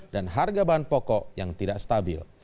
dan harga bahan pokok yang tidak stabil